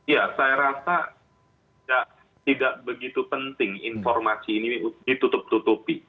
ya saya rasa tidak begitu penting informasi ini ditutup tutupi